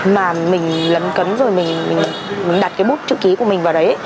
mà mình lấn cấn rồi mình đặt cái bút chữ ký của mình vào đấy